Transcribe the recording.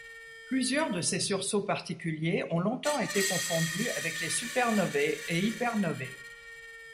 Plusieurs de ces sursauts particuliers ont longtemps été confondus avec les supernovæ et hypernovæ.